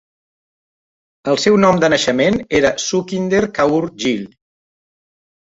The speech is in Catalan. El seu nom de naixement era Sukhinder Kaur Gill.